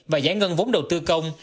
và giải ngân vốn đầu tư công